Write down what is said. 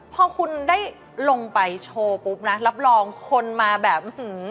พอคุณได้ลงไปโชว์ปุ๊บนะรับรองคนมาแบบอื้อหือ